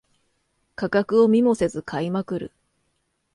価格を見もせず買いまくる